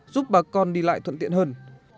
giúp bà con đi lại thuận tiện hơn